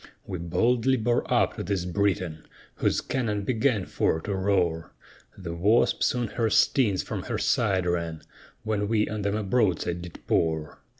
We boldly bore up to this Briton, Whose cannon began for to roar; The Wasp soon her stings from her side ran, When we on them a broadside did pour.